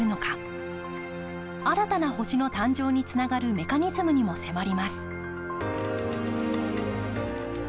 新たな星の誕生につながるメカニズムにも迫ります。